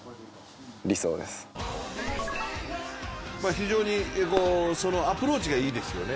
非常にアプローチがいいですよね。